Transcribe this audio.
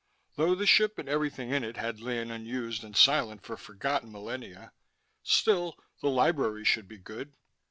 Though the ship and everything in it had lain unused and silent for forgotten millenia, still the library should be good.